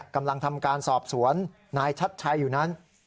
กำลังทำการสอบสวนนายชัดชัยอยู่นั้น